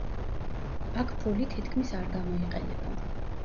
აქ ფული თითქმის არ გამოიყენება.